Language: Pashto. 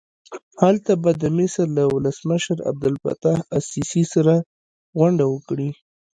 هلته به د مصر له ولسمشر عبدالفتاح السیسي سره غونډه وکړي.